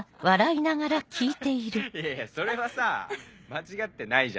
いやいやそれはさぁ間違ってないじゃない。